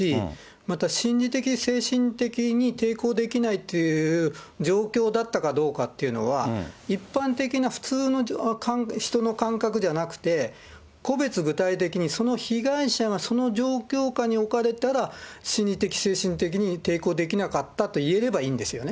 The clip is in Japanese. また、心理的、精神的に抵抗できないという状況だったかどうかっていうのは、一般的な普通の人の感覚じゃなくて、個別具体的にその被害者がその状況下に置かれたら、心理的、精神的に抵抗できなかったといえればいいんですよね。